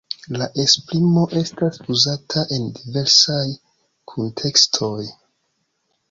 La esprimo estas uzata en diversaj kuntekstoj.